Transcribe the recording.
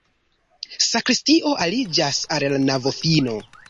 Sakristio aliĝas al la navofino.